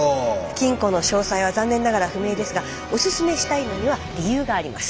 金庫の詳細は残念ながら不明ですがおすすめしたいのには理由があります。